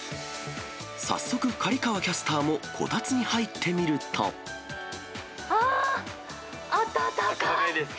早速刈川キャスターもこたつに入あー、温かい！